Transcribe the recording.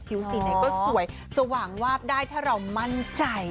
สีไหนก็สวยสว่างวาบได้ถ้าเรามั่นใจ